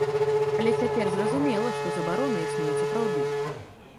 Але цяпер зразумела, што забарона існуе сапраўды.